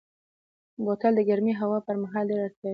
بوتل د ګرمې هوا پر مهال ډېره اړتیا وي.